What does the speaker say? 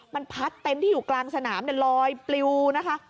มันพัดเต็นต์ที่อยู่กลางสนามลอยปลิวนะคะ